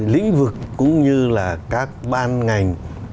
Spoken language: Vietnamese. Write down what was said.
lĩnh vực cũng như là các ban ngành